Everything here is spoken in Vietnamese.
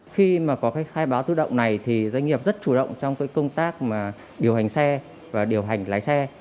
khi mà có cái khai báo tự động này thì doanh nghiệp rất chủ động trong cái công tác mà điều hành xe và điều hành lái xe